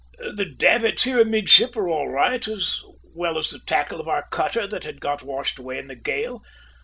"The davits here amidship are all right, as well as the tackle of our cutter that had got washed away in the gale.